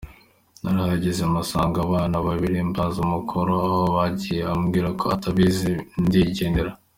Ati “Narahageze mpasanga abana babiri, mbaza umukuru aho bagiye, ambwira ko atahazi ndigendera.